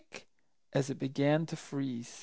as it began to freeze.